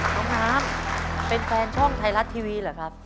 น้องน้ำเป็นแฟนช่องไทยรัฐทีวีเหรอครับ